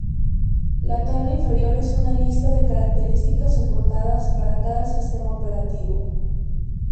La tabla inferior es una lista de características soportadas para cada sistema operativo.